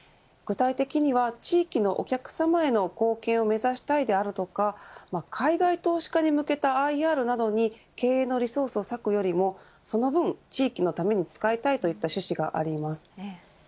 具体的には地域のお客様への貢献を目指したいであるとか海外投資家に向けたＩＲなどに経営のリソースを割くよりもその分、地域のために使いたいという趣旨があります。